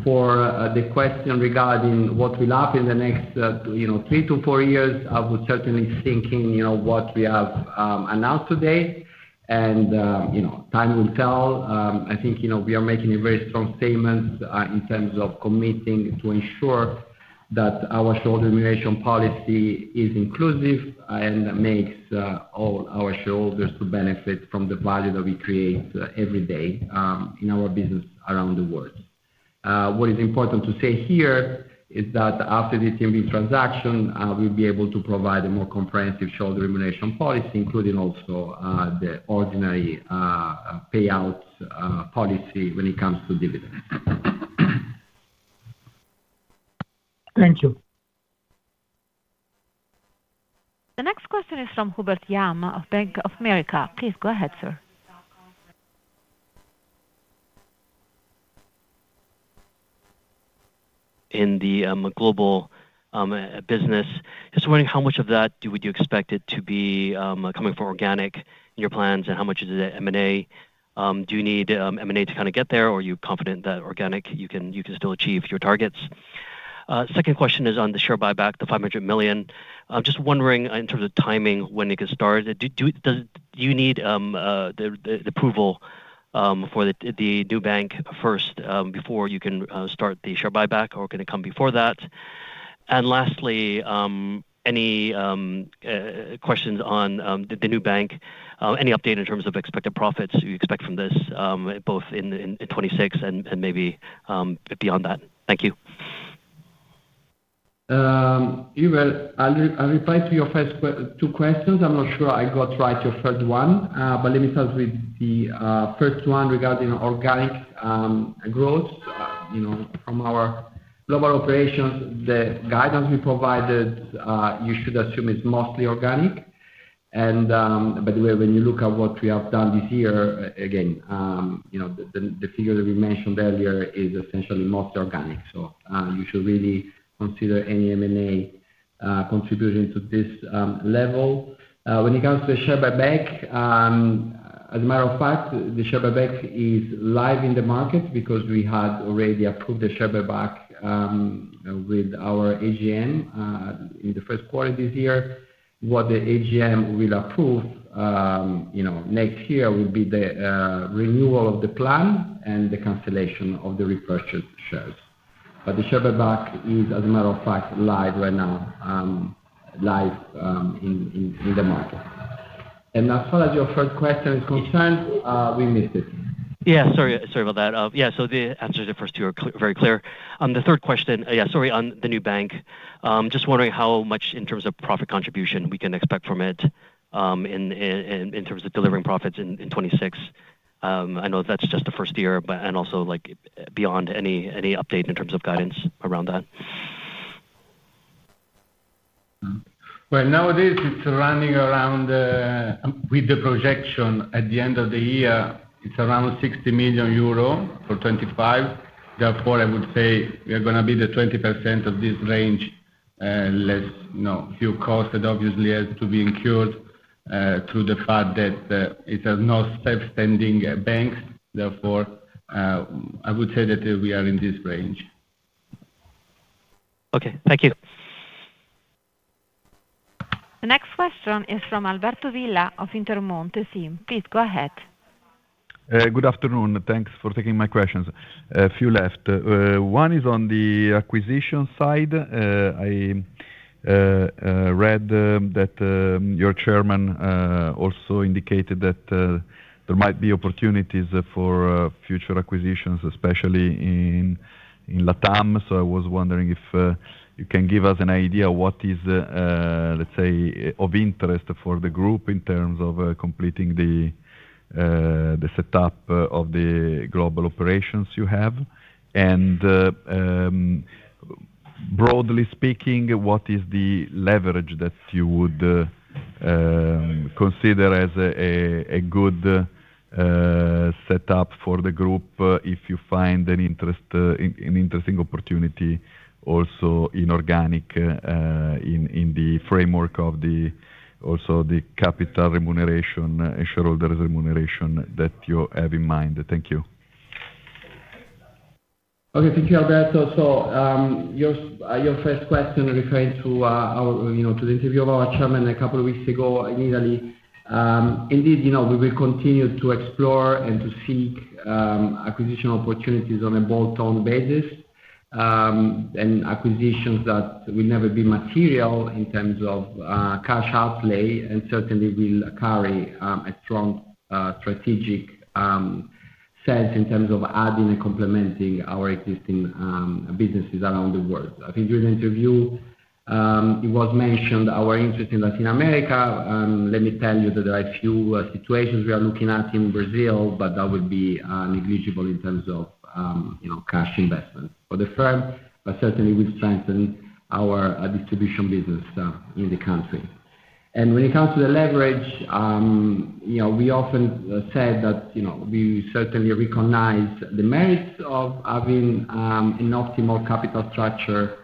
[SPEAKER 2] For the question regarding what will happen in the next three to four years, I would certainly think in what we have announced today, and time will tell, I think we are making a very strong statement in terms of committing to ensure that our shareholder remuneration policy is inclusive and makes all our shareholders benefit from the value that we create every day in our business around the world. What is important to say here is that after the TMB transaction we will be able to provide a more comprehensive shareholder remuneration policy, including also the ordinary payouts policy when it comes to dividends.
[SPEAKER 5] Thank you.
[SPEAKER 1] The next question is from Hubert Lam of Bank of America. Please go ahead, sir.
[SPEAKER 6] In the global business, just wondering how much of that would you expect it to be coming from organic? Your plans and how much is it M and A. Do you need M and A to kind of get there or are you confident that organic you can, you can still achieve your targets? Second question is on the share buyback, the 500 million. I'm just wondering in terms of timing, when it gets started, does you need the approval for the new bank first before you can start the share buyback, or can it come before that? Lastly, any questions on the new bank? Any update in terms of expected profits you expect from this both in 2026 and maybe beyond that? Thank you.
[SPEAKER 2] I will. I'll reply to your first two questions. I'm not sure I got right your first one, but let me start with the first one. Regarding organic growth, you know, from our global operations, the guidance we provided you should assume is mostly organic. And by the way, when you look at what we have done this year, again, the figure that we mentioned earlier is essentially most organic. You should really consider any M&A contribution to this level when it comes to the share buyback. As a matter of fact, the share buyback is live in the market because we had already approved the share buyback with our AGM in the first quarter this year. What the AGM will approve next year will be the renewal of the plan and the cancellation of the repurchased shares. The Sherberback is, as a matter of fact, live right now, live in the market. As far as your first question is concerned, we missed it.
[SPEAKER 6] Yeah, sorry. Sorry about that. Yeah. The answer to the first two are very clear. On the third question, yeah, sorry. On the new bank, just wondering how much in terms of profit contribution we can expect from it in terms of delivering profits in 2026. I know that's just the first year. And also like beyond, any update in terms of guidance around that.
[SPEAKER 3] Nowadays, it's running around with the projection at the end of the year, it's around 60 million euro for 2025. Therefore, I would say we are going to be the 20% of this range. Less fuel cost that obviously has to be incurred through the fact that it has no safe standing banks. Therefore, I would say that we are in this range.
[SPEAKER 6] Okay, thank you.
[SPEAKER 1] The next question is from Alberto Villa of Intermonte. Please go ahead.
[SPEAKER 7] Good afternoon. Thanks for taking my questions. A few left. One is on the acquisition side. I read that your Chairman also indicated that there might be opportunities for future acquisitions, especially in LatAm. I was wondering if you can give us an idea what is, let's say, of interest for the group in terms of completing the setup of the global operations you have. And. Broadly speaking, what is the leverage that you would consider as a good setup for the group, if you find an interesting opportunity, also inorganic in the framework of the. Also the capital remuneration, shareholder remuneration that you have in mind. Thank you.
[SPEAKER 2] Okay, thank you, Alberto. Your first question referring to the interview of our Chairman a couple of weeks ago in Italy. Indeed, we will continue to explore and to seek acquisition opportunities on a bolt-on basis and acquisitions that will never be material in terms of cash outlay and certainly will carry a strong strategic sense in terms of adding and complementing our existing businesses around the world. I think during the interview it was mentioned our interest in Latin America. Let me tell you that there are a few situations we are looking at in Brazil, but that would be negligible in terms of cash investment for the firm. Certainly, we strengthen our distribution business in the country. When it comes to the leverage, we often said that we certainly recognize the merits of having an optimal capital structure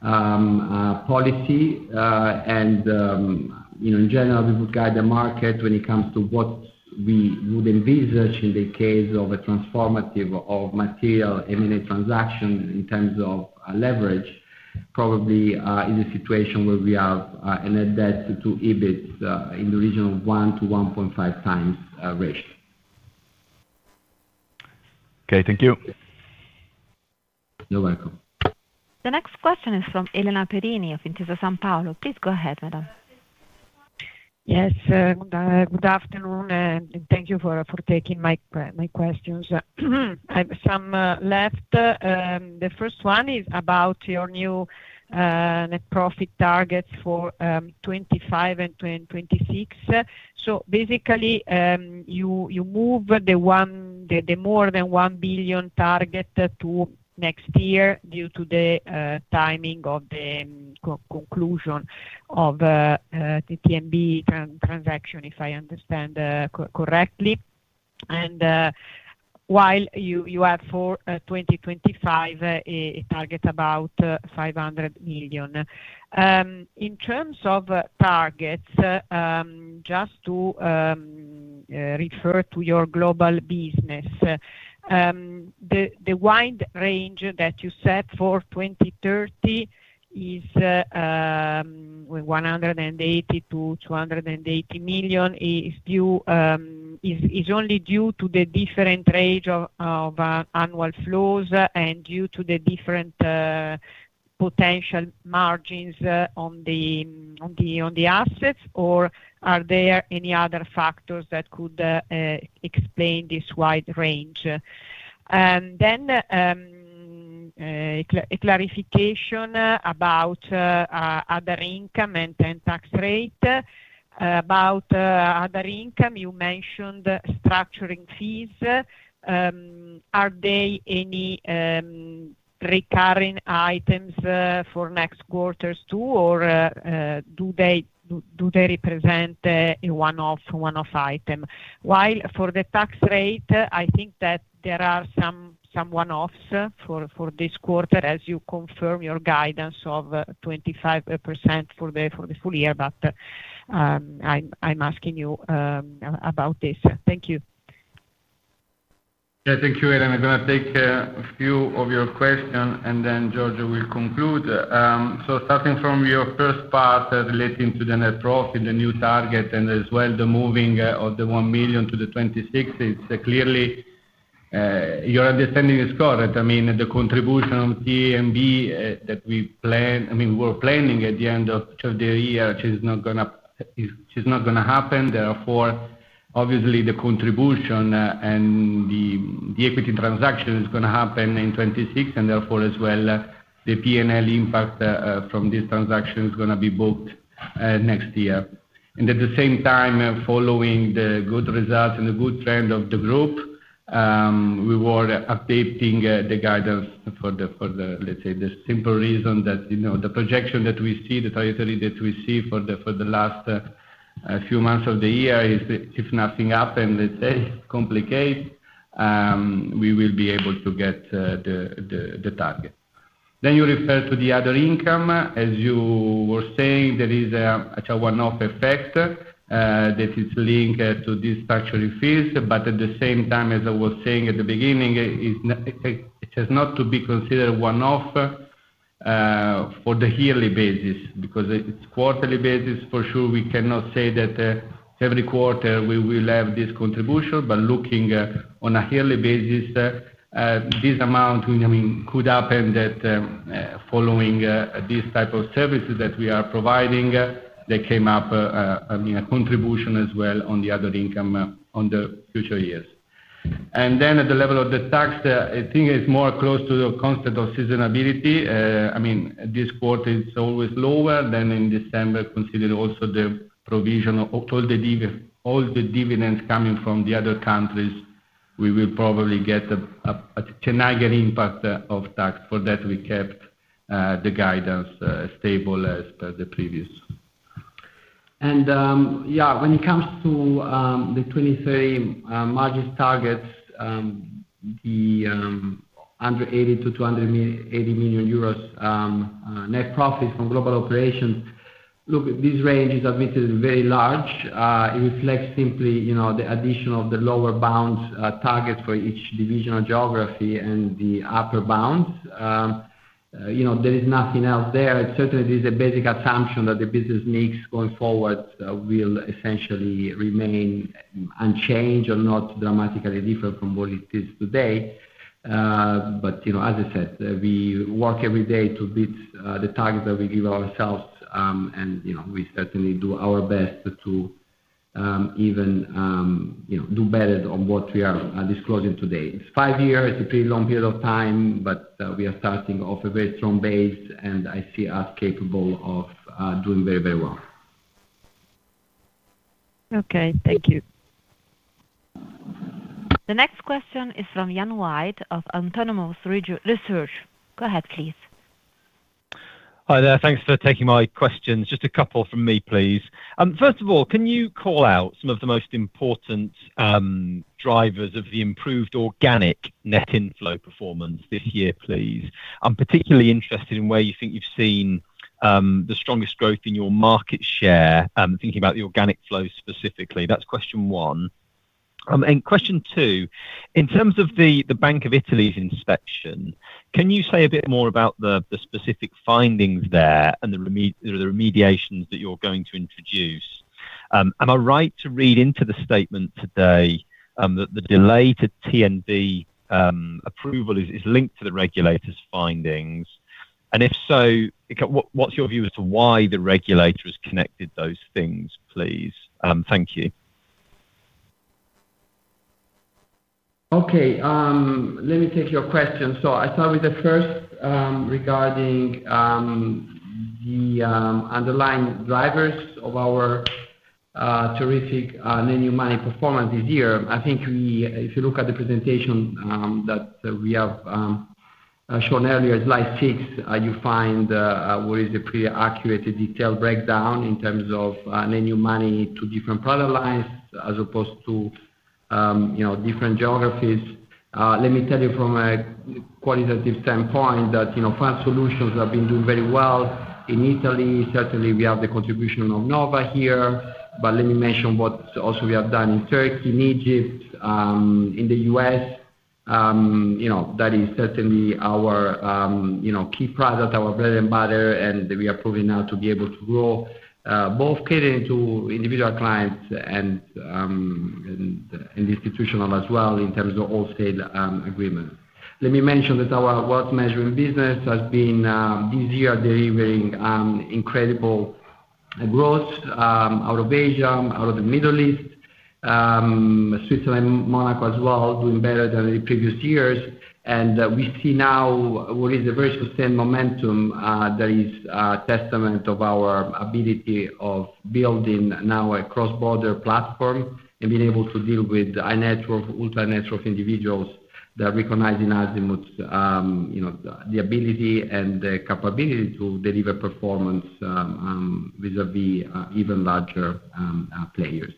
[SPEAKER 2] policy and in general we would guide the market when it comes to what we would envisage in the case of a transformation formative of material M and A transaction in terms of leverage, probably in a situation where we have a net debt to EBIT in the region of 1x-1.5x ratio. Okay, thank you. You're welcome.
[SPEAKER 1] The next question is from Elena Perini of Intesa Sanpaolo. Please go ahead. Madam.
[SPEAKER 8] Yes, good afternoon and thank you for taking my questions. I have some. The first one is about your new net profit targets for 2025 and 2026. Basically you move the more than 1 billion target to next year due to the timing of the conclusion of the TNB transaction, if I understand correctly. While you have for 2025 target about 500 million in terms of targets, just to refer to your global business, the wide range that you set for 2030 is 180 million-280 million. Is this only due to the different range of annual flows and due to the different potential margins on the assets, or are there any other factors that could explain this wide range? A clarification about other income and tax rate. About other income, you mentioned structuring fees. Are they any recurring items for next quarters too? Do they represent a one-off item? For the tax rate, I think that there are some one-offs for this quarter as you confirm your guidance of 25% for the full year. I am asking you about this. Thank you.
[SPEAKER 3] Thank you, Elena. I'm going to take a few of your questions and then Giorgio will conclude. Starting from your first part relating to the net profit, the new target and as well the moving of the 1 million to the 2026, clearly your understanding is correct. I mean the contribution of TNB that we plan, I mean we were planning at the end of each of the year, is not going to push, not going to happen. Therefore obviously the contribution and the equity transaction is going to happen in 2026. Therefore as well the P&L impact from this transaction is going to be booked next year. At the same time, following the good results and the good trend of the group, we were updating the guidance for, let's say, the simple reason that the projection that we see, the territory that we see for the last few months of the year is, if nothing happens, let's say, complicates, we will be able to get the target. You refer to the other income, as you were saying, there is a one-off effect that is linked to these taxual fees. At the same time, as I was saying at the beginning, it has not to be considered one-off for the yearly basis because it is quarterly basis. For sure, we cannot say that every quarter we will have this contribution. Looking on a yearly basis, this amount could happen that following these type of services that we are providing, they came up a contribution as well on the other income on the future years. At the level of the tax, I think it's more close to the concept of seasonability. I mean, this quarter is always lower than in December. Considering also the provision of all the dividends coming from the other countries, we will probably get a impact of tax for that. We kept the guidance stable as per the previous.
[SPEAKER 2] Yeah, when it comes to the 2030 margins targets, the 80 million-280 million euros net profit from global operations. Look, this range is admittedly very large. It reflects simply the addition of the lower bounds target for each divisional geography and the upper bounds. There is nothing else there. It certainly is a basic assumption that the business mix going forward will essentially remain unchanged or not dramatically different from what it is today. But, you know, as I said, we work every day to beat the target that we give ourselves. And, you know, we certainly do our best to even, you know, do better on what we are disclosing today. It is five years, it is a pretty long period of time. But we are starting off a very strong base and I see us capable of doing very, very well.
[SPEAKER 8] Okay, thank you.
[SPEAKER 1] The next question is from Ian White of Autonomous Research. Go ahead please.
[SPEAKER 9] Hi there. Thanks for taking my questions. Just a couple from me, please. First of all, can you call out some of the most important drivers of the improved organic net inflow performance this year, please? I'm particularly interested in where you think you've seen the strongest growth in your market share, thinking about the organic flow specifically. That's question one. Question two. In terms of the Bank of Italy's inspection, can you say a bit more about the specific findings there and the remediations that you're going to introduce? Am I right to read into the statement today that the delay to TNB approval is linked to the regulator's findings? If so, what's your view as to why the regulator has connected those things? Please. Thank you.
[SPEAKER 2] Okay, let me take your question. I start with the first regarding the underlying drivers of our terrific new money performance this year. I think if you look at the presentation that we have shown earlier, slide 6, you find what is a pretty accurate detailed breakdown in terms of any new money to different product lines as opposed to different geographies. Let me tell you from a qualitative standpoint that five solutions have been doing very well in Italy. Certainly we have the contribution of Nova here. Let me mention what also we have done in Turkey, in Egypt, in the US that is certainly our key product, our bread and butter. We are proving now to be able to grow both catering to individual clients and institutional as well in terms of wholesale agreement. Let me mention that our wealth management business has been this year delivering incredible growth out of Asia, out of the Middle East, Switzerland, Monaco as well, doing better than the previous years. We see now what is a very sustained momentum that is testament of our ability of building now a cross border platform and being able to deal with ultra high-net-worth individuals that recognize in Azimut the ability and the capability to deliver performance vis a vis even larger players.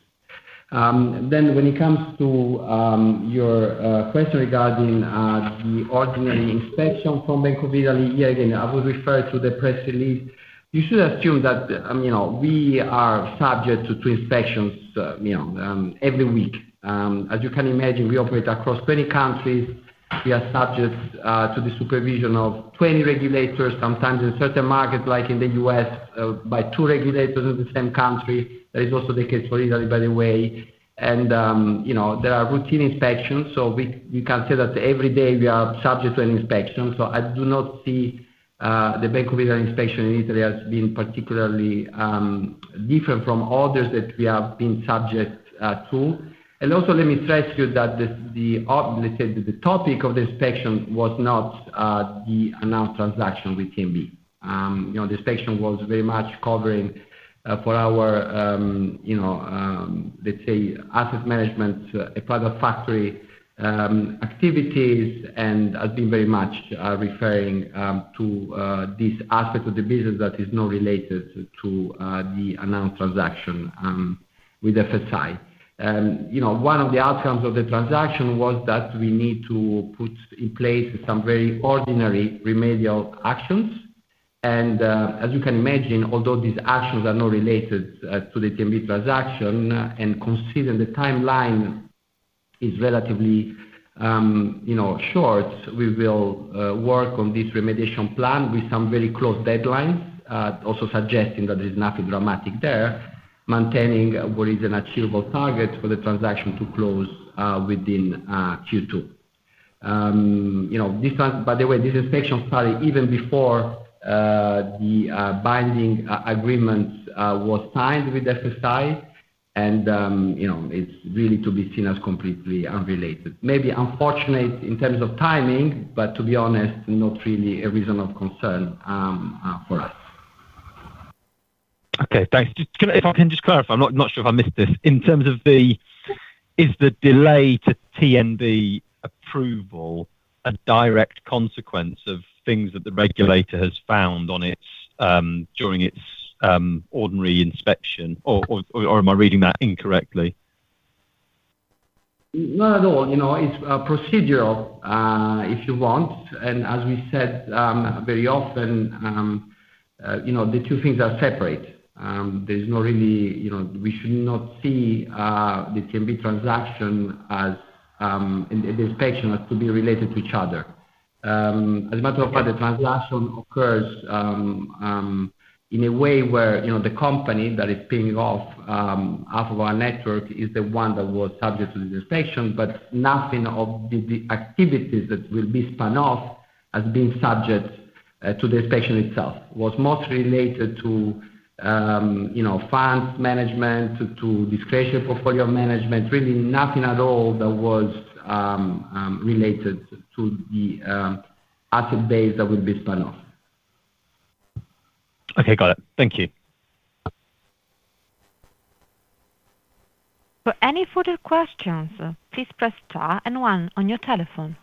[SPEAKER 2] When it comes to your question regarding the ordinary inspection from Bank of Italy, again I would refer to the press release, you should assume that we are subject to inspections every week. As you can imagine, we operate across 20 countries. We are subject to the supervision of 20 regulators, sometimes in certain markets like in the U.S. by two regulators in the same country. That is also the case for Italy by the way and there are routine inspections. You can say that every day we are subject to an inspection. I do not see the Bank of Italy inspection in Italy as being particularly different from others that we have been subject to. Also let me stress to you that the topic of the inspection was not the announced transaction with TNB. You know, the inspection was very much covering for our, you know, let's say asset management, a product factory activities and has been very much referring to this aspect of the business that is not related to the announced transaction with FSI. You know, one of the outcomes of the transaction was that we need to put in place some very ordinary remedial actions. As you can imagine, although these actions are not related to the TNB transaction and constraints, see that the timeline is relatively short. We will work on this remediation plan with some very close deadlines. Also suggesting that there is nothing dramatic there, maintaining what is an achievable target for the transaction to close within Q2. By the way, this inspection started even before the binding agreement was signed with FSI. You know, it's really to be seen as completely unrelated. Maybe unfortunate in terms of timing, but to be honest, not really a reason of concern for us.
[SPEAKER 9] Okay, thanks. If I can just clarify, I'm not sure if I missed this in terms of the. Is the delay to TNB approval a direct consequence of things that the regulator has found on its during its ordinary inspection? Or am I reading that incorrectly?
[SPEAKER 2] Not at all. You know, it's procedural if you want. And as we said very often, you know, the two things are separate. There's not really, you know, we should not see the TNB transaction as the inspection has to be related to each other. As a matter of fact, the transaction occurs in a way where the company that is paying off half of our network is the one that was subject to the inspection. But nothing of the activities that will be spun off has been subject to the inspection itself. It was mostly related to funds management, to discretionary portfolio management. Really nothing at all that was related to the asset base that will be spun off.
[SPEAKER 9] Okay, got it. Thank you.
[SPEAKER 1] For any further questions, please press star and one on your telephone.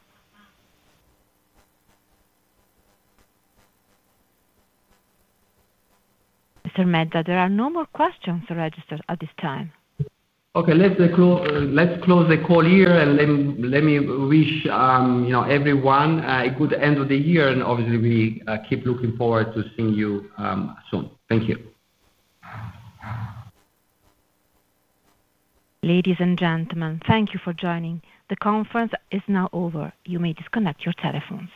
[SPEAKER 1] Mr. Medda, there are no more questions registered at this time.
[SPEAKER 2] Okay, let's close the call here and let me wish everyone an excellent end of the year and obviously we keep looking forward to seeing you soon. Thank you.
[SPEAKER 1] Ladies and gentlemen, thank you for joining. The conference is now over. You may disconnect your telephones.